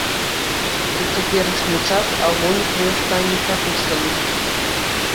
У цяперашні час агонь у памяшканні патушаны.